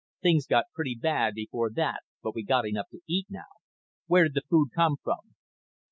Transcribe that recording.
"Things got pretty bad before that but we got enough to eat now." "Where did the food come from?"